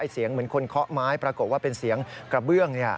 เสียงเหมือนคนเคาะไม้ปรากฏว่าเป็นเสียงกระเบื้อง